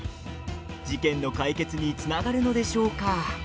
事件の解決につながるのでしょうか。